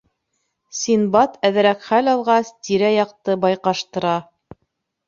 Синдбад, әҙерәк хәл алғас, тирә-яҡты байҡаштыра.